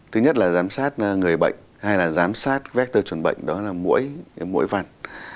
thứ nhất là giám sát người bệnh hai là giám sát vector chuẩn bệnh đó là mũi vằn